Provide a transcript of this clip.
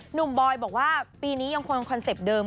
บอยบอกว่าปีนี้ยังคงคอนเซ็ปต์เดิม